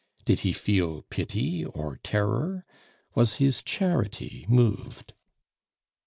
Did he feel pity or terror? Was his charity moved?